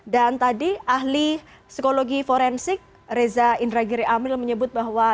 dan tadi ahli psikologi forensik reza indragiri amril menyebut bahwa